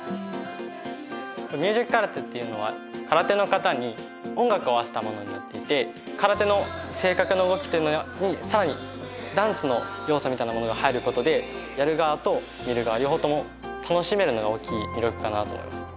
ミュージック空手っていうのは空手の形に音楽を合わせたものになっていて空手の正確な動きっていうのにさらにダンスの要素みたいなものが入ることでやる側と見る側両方とも楽しめるのが大きい魅力かなと思います